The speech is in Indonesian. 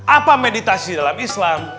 apa meditasi dalam islam